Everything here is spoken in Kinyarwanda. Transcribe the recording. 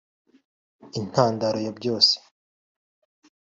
Intandaro ya byose